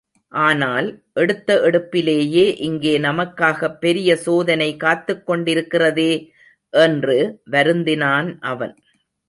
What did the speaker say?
ஆனால், எடுத்த எடுப்பிலேயே இங்கே நமக்காகப் பெரிய சோதனை காத்துக் கொண்டிருக்கிறதே? என்று வருந்தினான் அவன்.